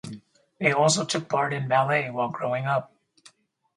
They also took part in ballet while growing up.